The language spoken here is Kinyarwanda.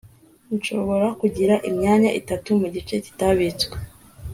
nshobora kugira imyanya itatu mugice kitabitswe